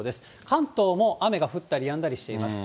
関東も雨が降ったりやんだりしています。